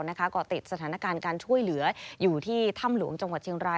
ก็ติดสถานการณ์การช่วยเหลืออยู่ที่ถ้ำหลวงจังหวัดเชียงราย